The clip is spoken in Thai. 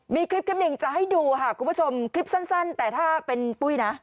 มีคลิปหนึ่งจะให้ดูค่ะคุณผู้ชมคลิปสั้นแต่ถ้าเป็นปุ้ยนะ